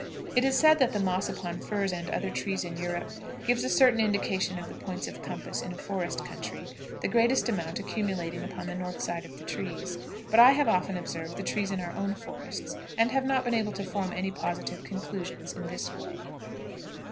It is said that the moss upon the firs and other trees in Europe gives a certain indication of the points of compass in a forest country, the greatest amount accumulating upon the north side of the trees. But I have often observed the trees in our own forests, and have not been able to form any positive conclusions in this way.